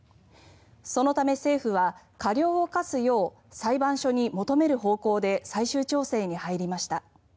そのため、政府は過料を科すよう裁判所に求める方向で最終調整に入りました。